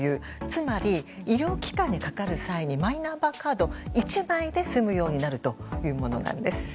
つまり医療機関にかかる際にマイナンバーカード１枚で済むようになるというものです。